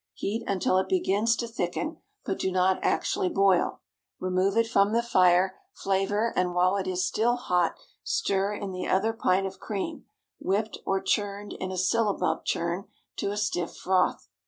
Heat until it begins to thicken, but do not actually boil; remove it from the fire, flavor, and while it is still hot stir in the other pint of cream, whipped or churned in a syllabub churn to a stiff froth.